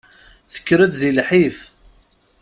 Tekker-d di lḥif.